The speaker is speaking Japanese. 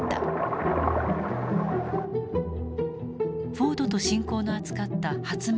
フォードと親交のあつかった発明